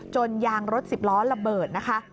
ยางรถสิบล้อระเบิดนะคะ